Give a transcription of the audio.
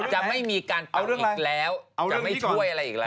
จะไม่มีการเอาอีกแล้วจะไม่ช่วยอะไรอีกแล้ว